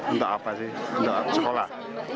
untuk apa sih untuk sekolah